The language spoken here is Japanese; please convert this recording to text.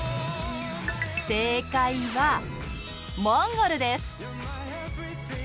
正解はモンゴルです！